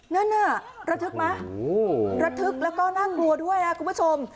นั่นน่ะระทึกไหมระทึกแล้วก็น่ากลัวด้วยนะครับคุณผู้ชม